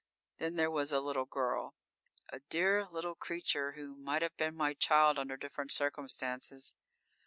Then there was a little girl; a dear little creature who might have been my child under different circumstances.